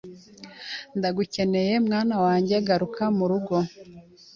Ndagukeneye mwana wanjye garuka murugo